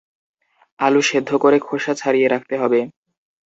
আলু সেদ্ধ করে খোসা ছাড়িয়ে রাখতে হবে।